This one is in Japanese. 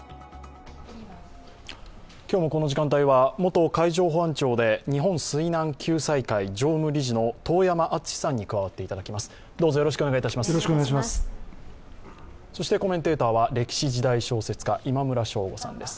今日のこの時間帯は元海上保安庁で日本水難救済会常務理事の遠山純司さんに加わっていただきます。